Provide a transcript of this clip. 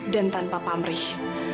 dan tanpa pamrih